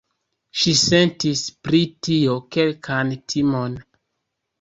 Ŝi sentis pri tio kelkan timon.